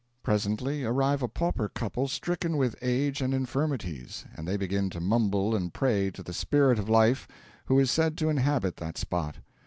Presently arrive a pauper couple stricken with age and infirmities; and they begin to mumble and pray to the Spirit of Life, who is said to inhabit that spot.